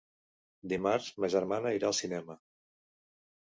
Dimarts ma germana irà al cinema.